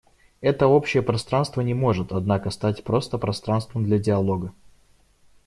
Это общее пространство не может, однако, стать просто пространством для диалога.